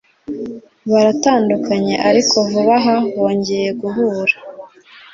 baratandukanye ariko vuba aha bongeye guhura